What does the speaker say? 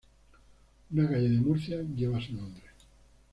Una calle de Murcia lleva su nombre.